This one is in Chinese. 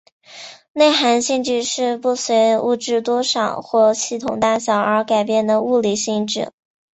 内含性质是不随物质多少或系统大小而改变的物理性质。